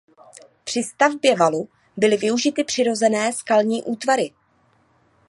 Při stavbě valu byly využity přirozené skalní útvary.